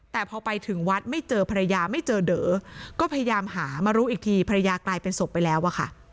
แต่พอไปถึงวัดไม่เจอภรรยาไม่เจอเด๋อก็พยายามหามารู้อีกทีภรรยากลายเป็นศพไปแล้วอะค่ะ